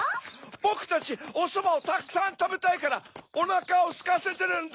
ボクたちおそばをたくさんたべたいからおなかをすかせてるんだ！